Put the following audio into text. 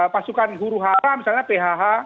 pasukan guru haram misalnya phh